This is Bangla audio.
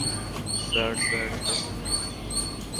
স্যার, স্যার, ছাড়ুন তাকে।